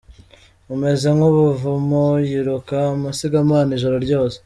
umeze nk’ubuvumo, yiruka amasigamana ijoro ryose